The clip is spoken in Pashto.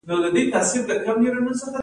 ایا زه باید د مثانې عملیات وکړم؟